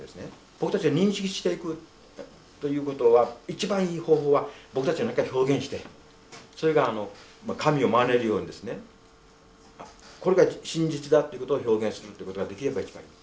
僕たちは認識していくということは一番いい方法は僕たちが表現してそれがあの神をまねるようにですねあっこれが真実だということを表現するってことができれば一番いい。